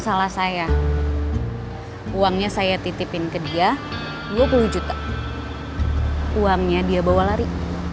selama ini dia jadi perantara